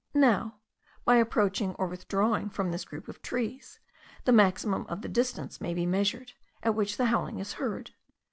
Now, by approaching or withdrawing from this group of trees, the maximum of the distance may be measured, at which the howling is heard.